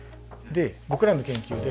僕らの研究で。